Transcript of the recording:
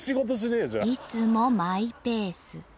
いつもマイペース。